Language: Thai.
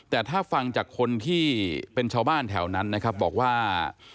แต่ถ้าฟังจากคนที่เป็นชาวบ้านแถวนั้นนะครับบอกว่า